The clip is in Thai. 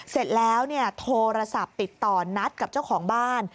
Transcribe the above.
เสร็จแล้วโทรศัพท์ติดต่อนัดกับเจ้าของบ้าน